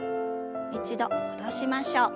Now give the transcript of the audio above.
一度戻しましょう。